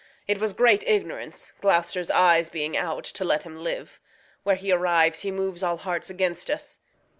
It was great ignorance, Gloucester's eyes being out, To let him live. Where he arrives he moves All hearts against us.